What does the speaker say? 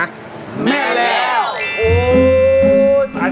แม่แล้ว